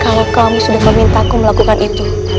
kalau kamu sudah memintaku melakukan itu